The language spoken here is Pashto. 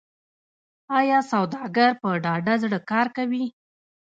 آیا سوداګر په ډاډه زړه کار کوي؟